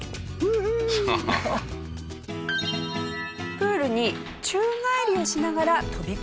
プールに宙返りをしながら飛び込みたい少年。